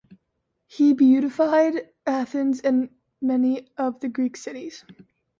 He beautified Athens and many of the Greek cities.